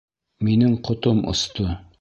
Минең ҡотом осто.